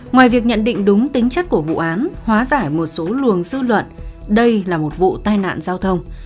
ngoài việc nhận định đúng tính chất của vụ án hóa giải một số luồng dư luận đây là một vụ tai nạn giao thông